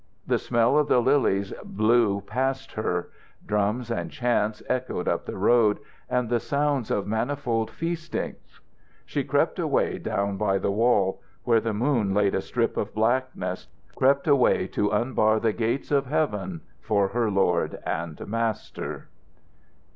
The smell of the lilies blew past her. Drums and chants echoed up the road, and the sounds of manifold feastings. She crept away down by the wall, where the moon laid a strip of blackness, crept away to unbar the gates of heaven for her lord and master.